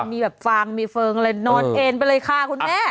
มีแบบฟางมีเฟิร์งอะไรนอนเอ็นไปเลยค่ะคุณแม่